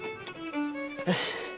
よし。